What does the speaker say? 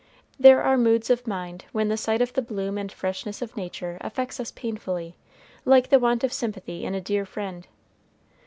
There are moods of mind when the sight of the bloom and freshness of nature affects us painfully, like the want of sympathy in a dear friend.